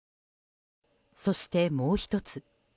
そして、もう１つ。